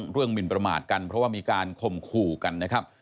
เรื่องหมินประมาทกันเพราะว่ามีการคมคู่กันนะครับ